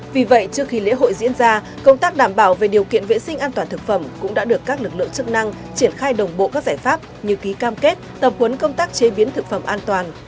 vì vậy trước khi lễ hội diễn ra công tác đảm bảo về điều kiện vệ sinh an toàn thực phẩm cũng đã được các lực lượng chức năng triển khai đồng bộ các giải pháp như ký cam kết tập huấn công tác chế biến thực phẩm an toàn